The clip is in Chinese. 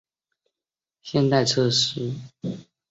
现代测试技术也越来越多地应用于混凝土材料科学的研究。